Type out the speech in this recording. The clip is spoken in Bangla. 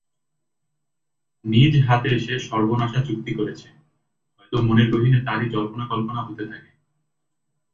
নিজ হাতে সে সর্বনাশা চুক্তি করেছে, হয়ত মনের গহীনে তারই জল্পনা-কল্পনা হতে থাকে।